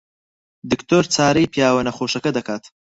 دکتۆر چارەی پیاوە نەخۆشەکە دەکات.